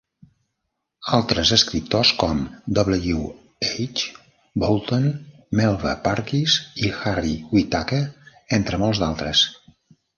Altres escriptors com W. H. Boulton, Melva Purkis i Harry Whittaker, entre molts altres.